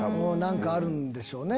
何かあるんでしょうね。